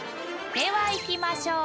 ［ではいきましょう。